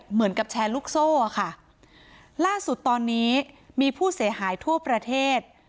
เหมือนกับแชร์ลูกโซ่อ่ะค่ะล่าสุดตอนนี้มีผู้เสียหายทั่วประเทศ